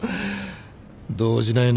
動じないね。